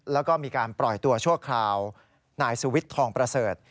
แล้วก็มีการปล่อยตัวชั่วคราวนายสุวิทย์ทองประเสริฐ